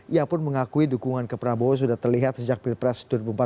ia pun mengakui dukungan ke prabowo sudah terlihat sejak pilpres dua ribu empat belas